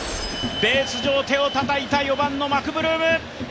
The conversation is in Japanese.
ベース上をたたいた４番のマクブルーム。